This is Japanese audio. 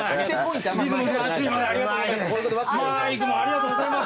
ありがとうございます。